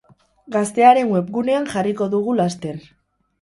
Gaztearen webgunean jarriko dugu laster.